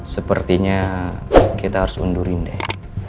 sepertinya kita harus undurin deh